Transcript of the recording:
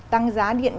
tăng giá điện